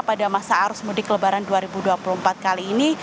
pada masa arus mudik lebaran dua ribu dua puluh empat kali ini